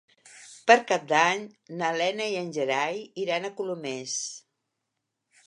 Per Cap d'Any na Lena i en Gerai iran a Colomers.